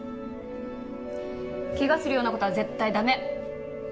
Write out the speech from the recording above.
怪我するような事は絶対駄目！